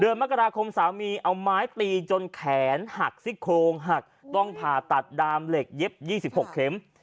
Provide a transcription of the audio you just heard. เดินมะกะดาคมสามีเอาไม้ตีจนแขนหักซิ้ดโคงหักต้องผ่าตัดดามเหล็กเย็บยี่สิบหกเค็ม